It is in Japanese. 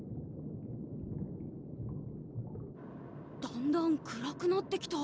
だんだん暗くなってきた。